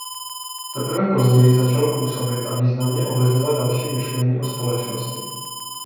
Teprve později začalo působit a významně ovlivnilo další myšlení o společnosti.